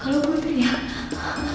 kalau gue teriak